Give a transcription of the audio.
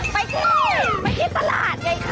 ไปที่นี่ไปที่ตลาดไงคะ